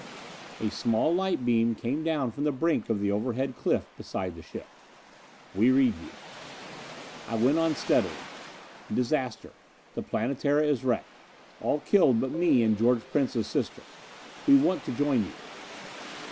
_" A small light beam came down from the brink of the overhead cliff beside the ship. "We read you." I went steadily on: "Disaster the Planetara _is wrecked. All killed but me and George Prince's sister. We want to join you.